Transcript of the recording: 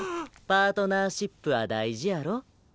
パートナーシップは大事やろ？